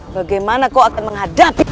bagaimana kau akan menghadapi